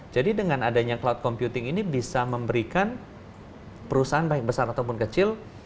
jadi dengan adanya cloud computing ini bisa memberikan perusahaan baik besar ataupun kecil